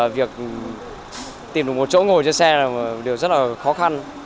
việc tìm được một chỗ ngồi trên xe là điều rất là khó khăn